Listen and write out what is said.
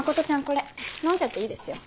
これ飲んじゃっていいですよ。